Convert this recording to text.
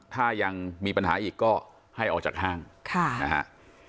ถ้ายังมีปัญหาอีกก็ให้ออกจากห้างนะฮะ